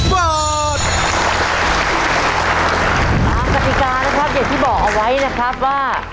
ตามกติกานะครับอย่างที่บอกเอาไว้นะครับว่า